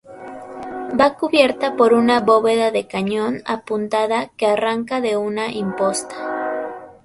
Va cubierta por una bóveda de cañón apuntada que arranca de una imposta.